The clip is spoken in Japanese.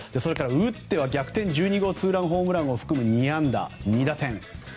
打っては逆転１２号ツーランホームランを含む２安打２打点。